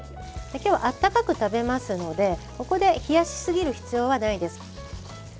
今日はあったかく食べますのでここで冷やしすぎる必要はないです。